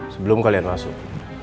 sebelum kalian masuk